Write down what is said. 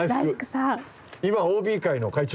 今ＯＢ会の会長。